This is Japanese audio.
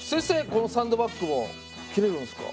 このサンドバッグも切れるんですか？